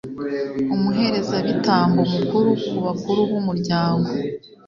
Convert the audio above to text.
umuherezabitambo mukuru, ku bakuru b'umuryango